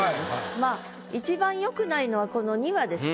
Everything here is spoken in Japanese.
まあ一番よくないのはこの「には」です。